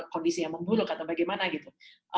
kondisi yang memburuk atau bagaimana gitu